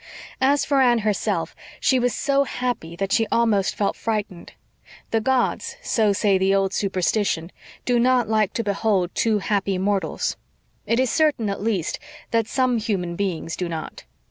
As for Anne herself, she was so happy that she almost felt frightened. The gods, so says the old superstition, do not like to behold too happy mortals. It is certain, at least, that some human beings do not.